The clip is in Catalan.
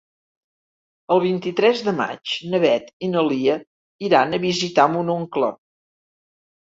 El vint-i-tres de maig na Beth i na Lia iran a visitar mon oncle.